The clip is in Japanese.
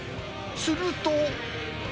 すると。